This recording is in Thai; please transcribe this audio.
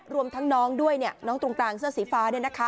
รวมทั้งน้องด้วยน้องตรงกลางเสื้อสีฟ้า